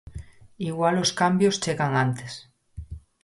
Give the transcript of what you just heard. Igual os cambios chegan antes.